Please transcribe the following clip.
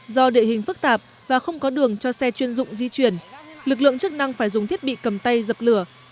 do địa hình phức tạp và không có đường cho xe chuyên dụng di chuyển lực lượng chức năng phải dùng thiết bị cầm tay dập lửa